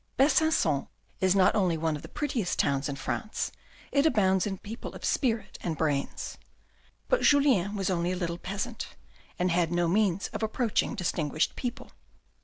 Besancon is not only one of the prettiest towns in France, it abounds in people of spirit and brains. But Julien was only a little peasant, and had no means of approaching distinguished people.